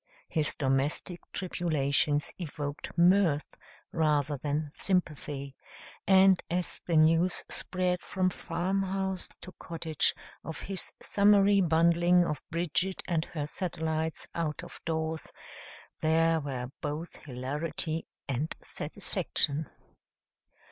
His domestic tribulations evoked mirth rather than sympathy; and as the news spread from farmhouse to cottage of his summary bundling of Bridget and her satellites out of doors, there were both hilarity and satisfaction.